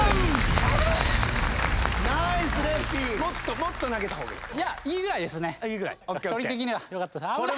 もっと投げた方がいい？いいぐらいですね。